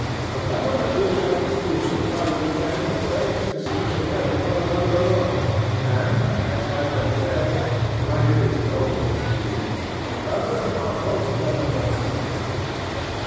For government is an expedient, by which men would fain succeed in letting one another alone; and, as has been said, when it is most expedient, the governed are most let alone by it.